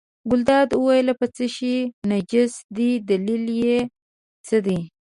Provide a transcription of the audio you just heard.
ګلداد وویل په څه شي نجس دی دلیل یې څه دی.